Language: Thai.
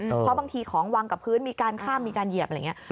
เพราะบางทีของวางกับพื้นมีการข้ามมีการเหยียบอะไรอย่างนี้